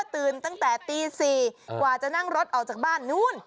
ตื่นตั้งแต่ตี๔กว่าจะนั่งรถออกจากบ้านนู้น